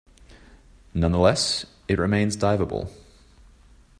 Nonetheless, it remains diveable.